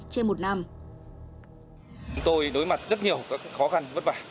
chúng tôi đối mặt rất nhiều khó khăn